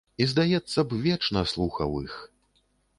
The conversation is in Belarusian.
І, здаецца б, вечна слухаў іх.